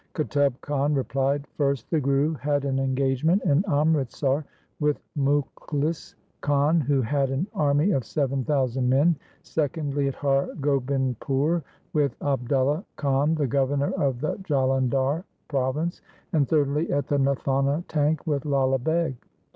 Qutub Khan replied, ' First the Guru had an engage ment in Amritsar with Mukhlis Khan, who had an army of seven thousand men, secondly at Har Gobindpur with Abdulla Khan, the governor of the Jalandhar province, and thirdly at the Nathana tank with Lala Beg.